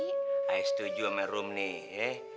saya setuju sama rum nih